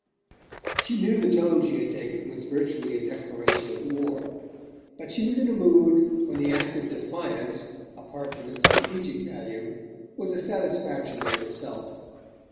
She knew the tone she had taken was virtually a declaration of war; but she was in a mood when the act of defiance, apart from its strategic value, was a satisfaction in itself.